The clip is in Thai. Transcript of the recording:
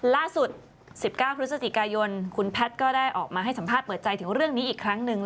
ล่าสุด๑๙พฤศจิกายนคุณแพทย์ก็ได้ออกมาให้สัมภาษณ์เปิดใจถึงเรื่องนี้อีกครั้งหนึ่ง